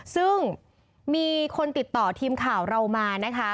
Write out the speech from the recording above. ซึ่งมีคนติดต่อทีมข่าวเรามานะคะ